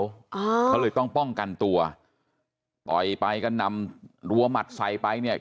อ่าเขาเลยต้องป้องกันตัวต่อยไปก็นำรัวหมัดใส่ไปเนี่ย